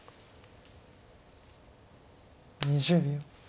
２０秒。